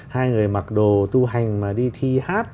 hai người mặc đồ tu hành mà đi thi hát